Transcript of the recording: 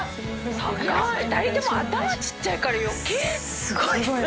２人とも頭ちっちゃいから。わすごーい。